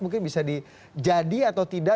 mungkin bisa dijadi atau tidak